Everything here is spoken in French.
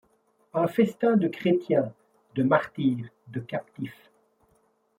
Un festin de chrétiens, de martyrs, de captifs